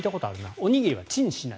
おにぎりはチンしない。